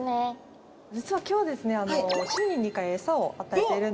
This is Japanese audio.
実は今日ですねあっ